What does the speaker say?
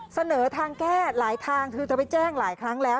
เสนอทางแก้หลายทางคือจะไปแจ้งหลายครั้งแล้ว